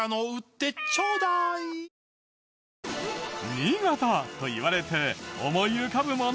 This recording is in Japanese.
「新潟」といわれて思い浮かぶもの